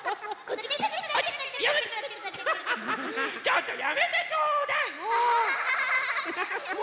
ちょっとやめてちょうだいもう！